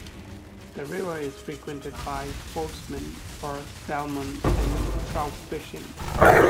The river is frequented by sportsmen for salmon and trout fishing.